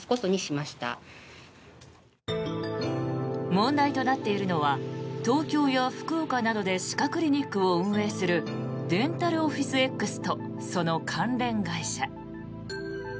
問題となっているのは東京や福岡などで歯科クリニックを運営するデンタルオフィスＸとその関連会社。